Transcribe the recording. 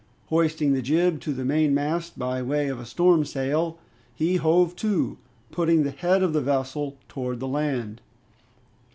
Hoisting the jib to the mainmast by way of a storm sail, he hove to, putting the head of the vessel towards the land.